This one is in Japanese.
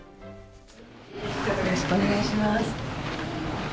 よろしくお願いします。